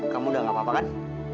kamu udah gak apa apa kan